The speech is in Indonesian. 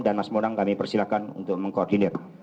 dan mas monang kami persilahkan untuk mengkoordinir